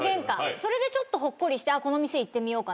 それでほっこりしてこの店行ってみようかみたいな。